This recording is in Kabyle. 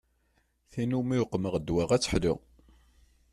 Tin umi uqmeɣ ddwa ad teḥlu.